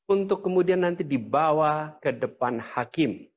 untuk kemudian nanti dibawa ke depan hakim